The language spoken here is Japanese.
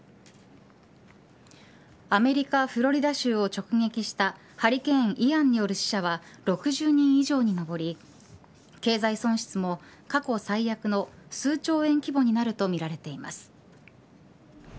アメリカ、フロリダ州を直撃したハリケーン、イアンによる死者は６０人以上にのぼり経済損失も過去最悪の数兆円規模になるとみられています。